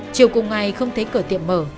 chiều cùng ngày không thấy cửa tiệm mở